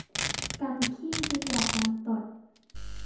กำขี้ดีกว่ากำตด